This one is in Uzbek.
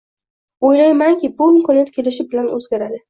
Oʻylaymanki, bu imkoniyat kelishi bilan oʻzgaradi